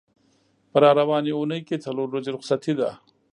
په را روانې اوونۍ کې څلور ورځې رخصتي ده.